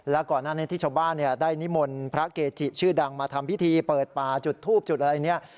แล้วก่อนหน้านี้ที่ชาวบ้านได้นิมนต์พระเกจิชื่อดังมาทำพิธีเปิดป่าจุดทูบจุดอะไรเนี่ย